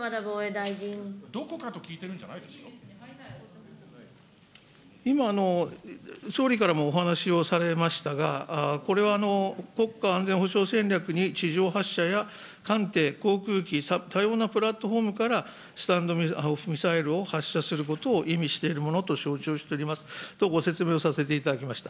どこかと聞いてるんじゃない今の総理からもお話をされましたが、これは国家安全保障戦略に地上発射や艦艇、航空機、多様なプラットホームから、スタンド・オフ・ミサイルを発射することを意味しているものと承知をしておりますとご説明をさせていただきました。